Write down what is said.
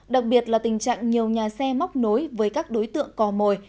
đặc biệt là tình trạng nhiều nhà xe móc nối với các đối tượng cò mồi